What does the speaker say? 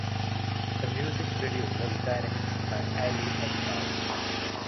The music video was directed by Allie Avital.